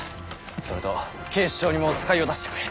それと警視庁にも使いを出してくれ。